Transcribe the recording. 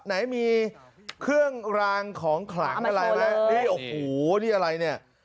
ไหนมีเครื่องรางของขลังอะไรไหมนี่โอ้โหนี่อะไรเนี่ย